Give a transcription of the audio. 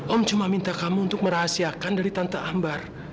om cuma minta kamu untuk merahasiakan dari tante ambar